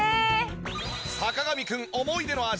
坂上くん思い出の味